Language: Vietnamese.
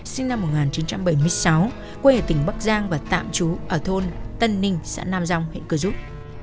sinh năm một nghìn chín trăm bảy mươi sáu quê ở tỉnh bắc giang và tạm trú ở thôn tân ninh xã nam rong huyện cơ rút